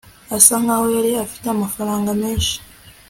asa nkaho yari afite amafaranga menshi